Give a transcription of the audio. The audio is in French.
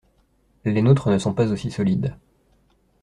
Les nôtres ne sont pas aussi solides.